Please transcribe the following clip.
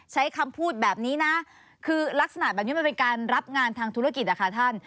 ใช้คำพูดแบบนี้นะคือลักษณะแบบนี้มันเป็นการรับงานทางธุรกิจอะค่ะท่าน